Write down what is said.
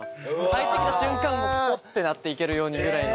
入ってきた瞬間ポッてなっていけるようにぐらいの。